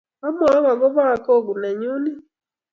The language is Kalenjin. Amwowok akopo akogo nenyu ii?